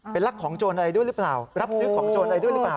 เป็นรักของโจรอะไรด้วยหรือเปล่ารับซื้อของโจรอะไรด้วยหรือเปล่า